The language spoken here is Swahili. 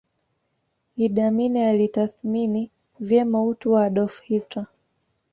Idi Amin alitathmini vyema utu wa Adolf Hitler